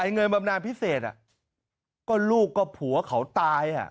เงินบำนานพิเศษก็ลูกก็ผัวเขาตาย